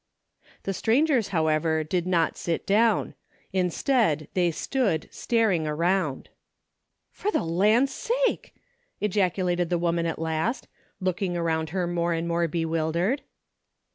The strangers, however, did not sit down. Instead, they stood staring around. " For the land sake !" ejaculated the Woman at last, looking around her more and more be wildered.